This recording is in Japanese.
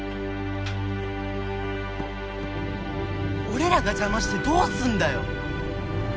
俺らが邪魔してどうすんだよ！